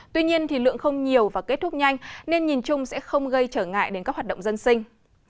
tuy nhiên lượng không nhiều và kết thúc nhanh nên nhìn chung sẽ không gây trở ngại đến các hoạt động dân sinh